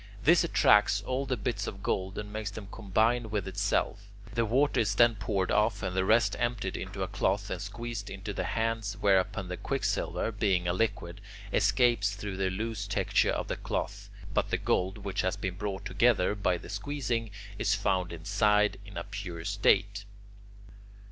This attracts all the bits of gold, and makes them combine with itself. The water is then poured off, and the rest emptied into a cloth and squeezed in the hands, whereupon the quicksilver, being a liquid, escapes through the loose texture of the cloth, but the gold, which has been brought together by the squeezing, is found inside in a pure state.